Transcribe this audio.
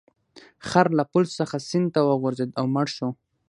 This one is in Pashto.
خر له پل څخه سیند ته وغورځید او مړ شو.